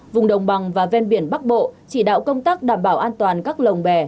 vùng đồng bằng và ven biển bắc bộ chỉ đạo công tác đảm bảo an toàn các lồng bè